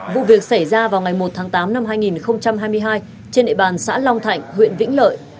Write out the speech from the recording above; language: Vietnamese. vụ việc xảy ra vào ngày một tháng tám năm hai nghìn hai mươi hai trên địa bàn xã long thạnh huyện vĩnh lợi